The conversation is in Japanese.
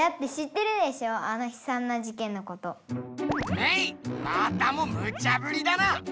メイまたもムチャぶりだな。